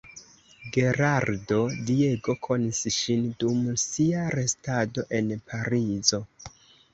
Gerardo Diego konis ŝin dum sia restado en Parizo.